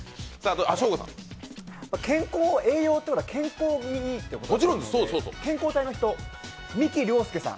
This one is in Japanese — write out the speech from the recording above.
栄養ということは健康にいいということで、健康体の人、美木良介さん。